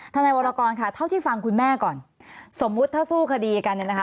นายวรกรค่ะเท่าที่ฟังคุณแม่ก่อนสมมุติถ้าสู้คดีกันเนี่ยนะคะ